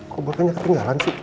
kok bapaknya ketinggalan sih